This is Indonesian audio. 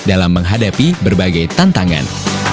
dan menghadapi berbagai tantangan